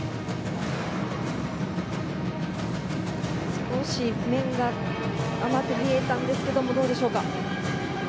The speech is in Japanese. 少し面が甘く見えたんですけどどうでしょうか。